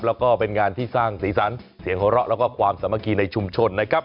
แล้วก็เป็นงานที่สร้างสีสันเสียงหัวเราะแล้วก็ความสามัคคีในชุมชนนะครับ